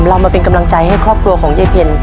เรามาเป็นกำลังใจให้ครอบครัวของยายเพ็ญ